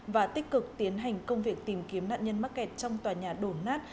và tích cực tiến hành công việc tìm kiếm nạn nhân mắc kẹt trong tòa nhà đổ nát